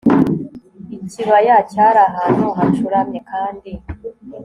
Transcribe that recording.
ikibaya cyari ahantu hacuramye kandi